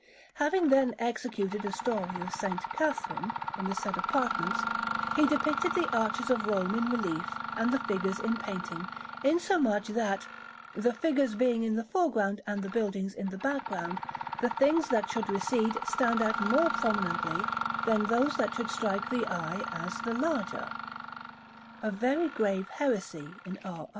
Having then executed a story of S. Catherine in the said apartments, he depicted the arches of Rome in relief and the figures in painting, insomuch that, the figures being in the foreground and the buildings in the background, the things that should recede stand out more prominently than those that should strike the eye as the larger a very grave heresy in our art.